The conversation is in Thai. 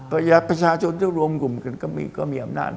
แบบประชาชนทั่วรวมกลุ่มก็มีอำนาจ